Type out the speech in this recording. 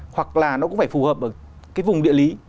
hoặc là nó cũng phải phù hợp ở cái vùng địa lý